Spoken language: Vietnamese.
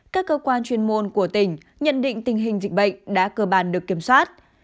các cơ quan chuyên môn của tỉnh nhận định tình hình dịch bệnh đã cơ bản được kiểm soát